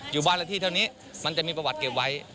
อยู่บ้านละที่เท่านี้มันจะมีประวัติเก็บไว้